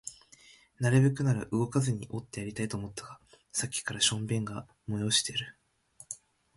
なるべくなら動かずにおってやりたいと思ったが、さっきから小便が催している